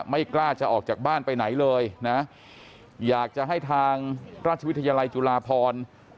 ไม่กล้าจะออกจากบ้านไปไหนเลยนะอยากจะให้ทางราชวิทยาลัยจุฬาพร